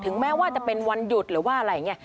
ถึงแม้ว่าจะเป็นวันหยุดหรือว่าอะไร